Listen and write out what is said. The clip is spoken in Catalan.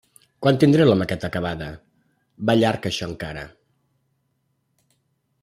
Quan tindré la maqueta acabada? Va llarg, això, encara.